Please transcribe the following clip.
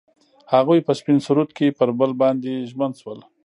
هغوی په سپین سرود کې پر بل باندې ژمن شول.